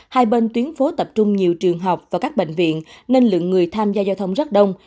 hai bên tuyến phố tập trung nhiều trường học và các bệnh viện nên lượng người tham gia giao thông rất đông